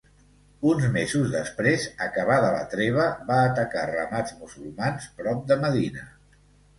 Uns mesos després, acabada la treva, va atacar ramats musulmans prop de Medina.